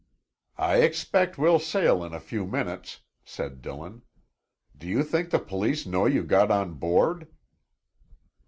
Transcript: "I expect we'll sail in a few minutes," said Dillon. "Do you think the police know you got on board?"